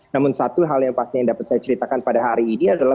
namun satu hal yang pasti yang dapat saya ceritakan pada hari ini adalah